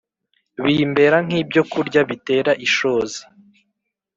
bimbera nk’ibyokurya bitera ishozi